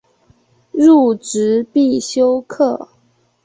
入职必修课